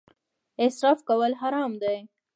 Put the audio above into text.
اسراف کول حرام دي